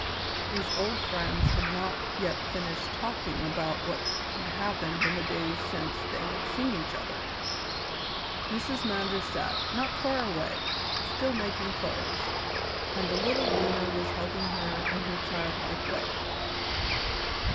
These old friends had not yet finished talking about what had happened in the days since they had seen each other. Mrs. Mander sat, not far away, still making clothes, and the little Lena was helping her in her childlike way.